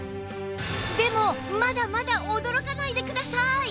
でもまだまだ驚かないでください！